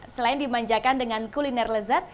selain dimanjakan dengan kuliner lezat